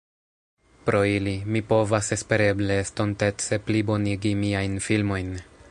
Pro ili, mi povas espereble estontece pli bonigi miajn filmojn.